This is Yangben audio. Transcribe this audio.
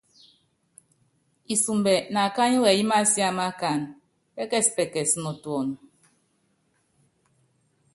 Isumbɛ nákányí wɛyí másiáma akáánɛ, pɛkɛspɛkɛs nɔ tuɔnɔ.